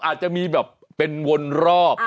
อาจจะมีแบบเป็นวนรอบ